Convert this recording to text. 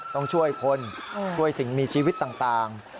ต้องช่วยคนช่วยสิ่งมีชีวิตต่าง